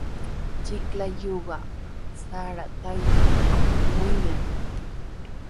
Chiklayuqa sara trawpintrawmi wiñan.